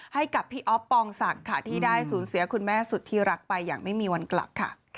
ให้กับพี่อ๊อฟปองศักดิ์ค่ะที่ได้สูญเสียคุณแม่สุดที่รักไปอย่างไม่มีวันกลับค่ะ